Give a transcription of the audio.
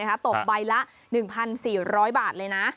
ตกใบละ๑๔๐๐บาทเลยนะ